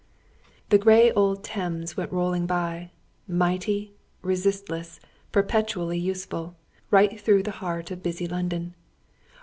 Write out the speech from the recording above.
The grey old Thames went rolling by mighty, resistless, perpetually useful right through the heart of busy London.